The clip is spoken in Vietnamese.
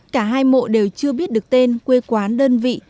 cả hai mộ đều chưa biết được tên quê quán đơn vị